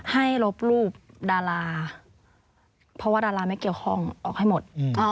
ลบรูปดาราเพราะว่าดาราไม่เกี่ยวข้องออกให้หมด